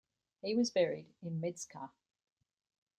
He was buried in Medzkar.